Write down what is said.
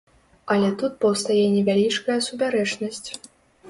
Але тут паўстае невялічкая супярэчнасць.